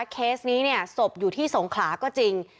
เคสนี้เนี่ยศพอยู่ที่สงขลาก็จริง